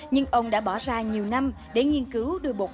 nhưng ông đã bỏ ra nhiều năm để nghiên cứu đưa bột